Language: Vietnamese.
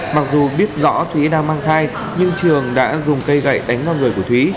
mặc dù biết rõ thúy đang mang thai nhưng trường đã dùng cây gậy đánh vào người của thúy